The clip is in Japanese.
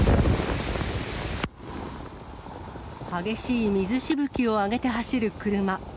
激しい水しぶきを上げて走る車。